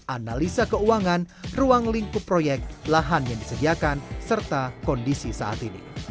analisa keuangan ruang lingkup proyek lahan yang disediakan serta kondisi saat ini